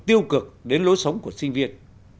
tiêu cực đến lối sống của sinh viên